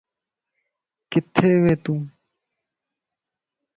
ڪٿي وي تون